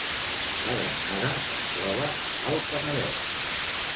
La Granada es troba a l’Alt Penedès